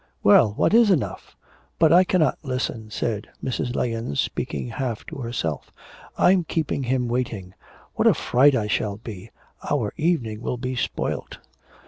Well, what is enough? But I cannot listen,' said Mrs. Lahens, speaking half to herself. 'I'm keeping him waiting. What a fright I shall be! Our evening will be spoilt.'